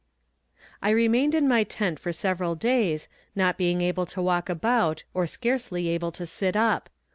I remained in my tent for several days, not being able to walk about, or scarcely able to sit up.